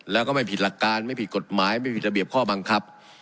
แล้วก็ไม่ผิดหลักการไม่ผิดกฎหมายไม่ผิดระเบียบข้อบังคับ